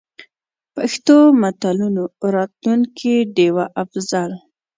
پښتو متلونو: راټولونکې ډيـوه افـضـل.